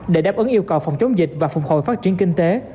để đáp ứng yêu cầu phòng chống dịch và phục hồi phát triển kinh tế